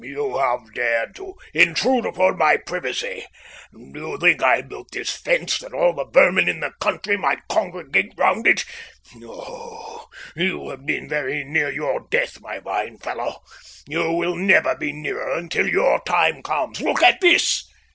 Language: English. "You have dared to intrude upon my privacy! Do you think I built this fence that all the vermin in the country might congregate round it? Oh, you have been very near your death, my fine fellow! You will never be nearer until your time comes. Look at this!"